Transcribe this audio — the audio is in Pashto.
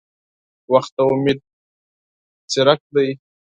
• وخت د امید څرک دی.